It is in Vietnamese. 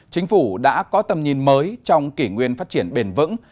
chính phủ đã có tầm nhìn mới trong kỷ nguyên phát triển bền vững